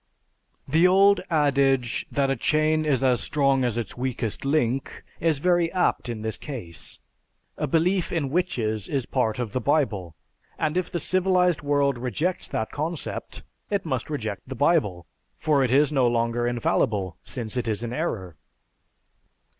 "_) The old adage that a chain is just as strong as its weakest link is very apt in this case. A belief in witches is part of the Bible; and if the civilized world rejects that concept, it must reject the Bible, for it is no longer infallible, since it is in error.